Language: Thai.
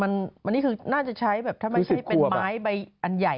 อันนี้คือน่าจะใช้แบบถ้าไม่ใช่เป็นไม้ใบอันใหญ่